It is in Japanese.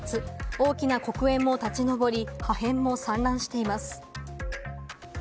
大きな黒煙も立ちのぼり、破片も散乱しています。